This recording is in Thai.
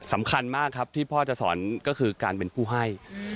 สำคัญมากครับที่พ่อจะสอนก็คือการเป็นผู้ให้